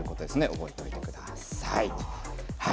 覚えておいてください。